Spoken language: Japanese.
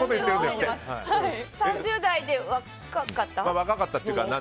３０代で若かった？